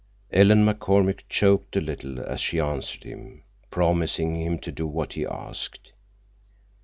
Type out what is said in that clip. Ellen McCormick choked a little as she answered him, promising to do what he asked.